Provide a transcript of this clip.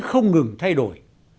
không ngừng thay đổi